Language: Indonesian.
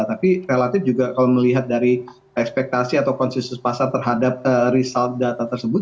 tapi relatif juga kalau melihat dari ekspektasi atau konsensus pasar terhadap result data tersebut